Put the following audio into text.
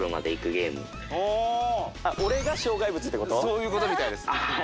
そういう事みたいです。